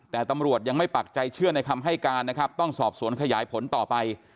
แต่ตำรวจยังไม่ปักใจเชื่อในคำให้การนะครับต้องสอบสวนขยายผลต่อไป